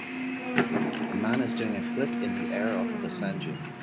A man is doing a flip in the air off of a sand dune.